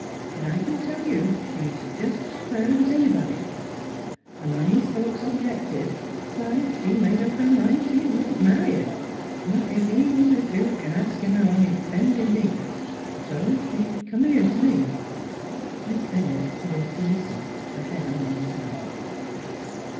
But I c'n tell you she's jest 's proud 's anybody, an' when his folks objected, why she made up her mind she wouldn't m.arry him — not if he was a dcok and askin' her on his bended knee. So she come here t' me." Miss Bennett paused to listen, nex head on one side.